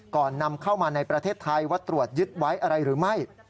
ก่อนนำเข้ามาในประเทศไทยว่าตรวจยึดไว้อะไรหรือไม่